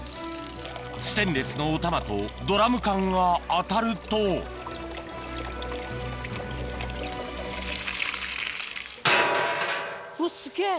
ステンレスのオタマとドラム缶が当たるとうわすげぇ！